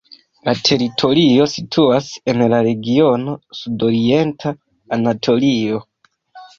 La teritorio situas en la regiono Sudorienta Anatolio.